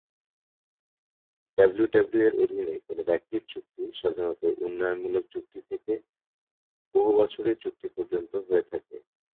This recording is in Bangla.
ডাব্লিউডাব্লিউই-এর অধীনে কোন ব্যক্তির চুক্তি সাধারণত উন্নয়নমূলক চুক্তি থেকে বহু বছরের চুক্তি পর্যন্ত হয়ে থাকে।